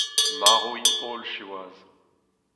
Marv int holl siwazh.